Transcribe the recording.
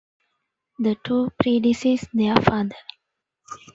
The two predeceased their father.